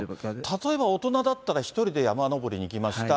例えば大人だったら、１人で山登りに行きました。